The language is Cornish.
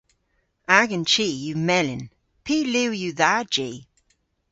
Agan chi yw melyn. Py liw yw dha ji?